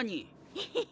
ヘヘヘ。